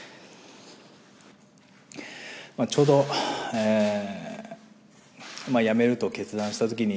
ちょうど辞めると決断したときに、